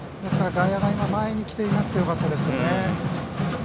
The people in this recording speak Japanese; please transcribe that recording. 外野が前に来てなくてよかったです。